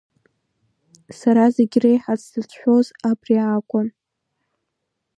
Сара зегь реиҳа сзыцәшәоз абри акәын.